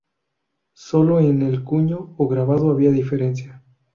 Solo en el cuño o grabado había diferencia.